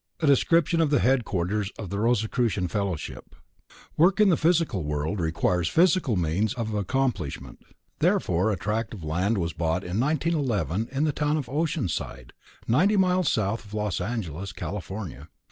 A DESCRIPTION OF THE HEADQUARTERS OF THE ROSICRUCIAN FELLOWSHIP Work in the physical world requires physical means of accomplishment; therefore a tract of land was bought in 1911 in the town of Oceanside, ninety miles south of Los Angeles, California.